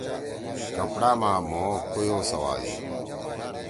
کپڑا ما مھو کویو سوادی۔